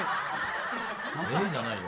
え⁉「え⁉」じゃないよ。